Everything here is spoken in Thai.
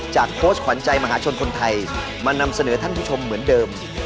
โค้ชขวัญใจมหาชนคนไทยมานำเสนอท่านผู้ชมเหมือนเดิม